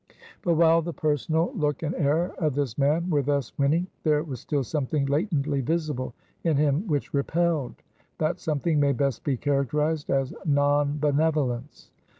But while the personal look and air of this man were thus winning, there was still something latently visible in him which repelled. That something may best be characterized as non Benevolence.